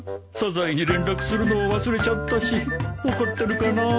サザエに連絡するのを忘れちゃったし怒ってるかな。